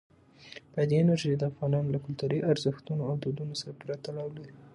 بادي انرژي د افغانانو له کلتوري ارزښتونو او دودونو سره پوره تړاو لري.